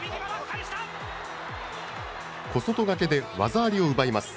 小外掛けで技ありを奪います。